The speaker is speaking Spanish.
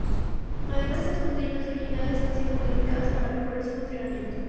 Además, estas proteínas originales han sido modificadas para mejorar su funcionamiento.